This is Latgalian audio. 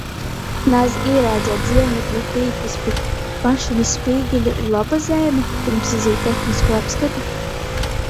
Naz, īraudzeit ziernūkļa teiklus pi mašynys spīgeļu ir loba zeime, pyrms izīt tehniskū apskati?